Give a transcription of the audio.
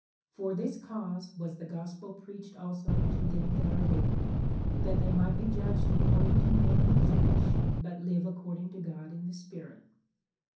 For this cause was the gospel preached also to them that are dead, that they might be judged according to men in the flesh, but live according to God in the spirit."